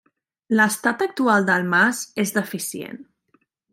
L’estat actual del mas, és deficient.